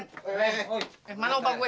eh mana upah gue